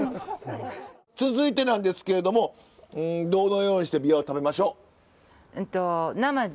続いてなんですけれどもどのようにしてびわを食べましょう。